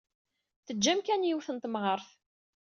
Tejja amkan i yiwet n temɣart.